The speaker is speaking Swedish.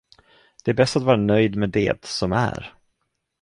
Det är bäst att vara nöjd med det, som är.